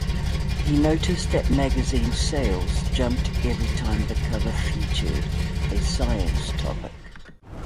He noticed that magazine sales jumped every time the cover featured a science topic.